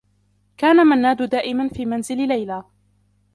كان منّاد دائما في منزل ليلى.